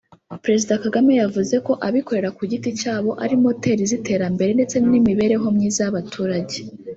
Perezida Kagame yavuze ko abikorera ku giti cyabo ari moteri z’iterambere ndetse n’imibereho myiza y’abaturage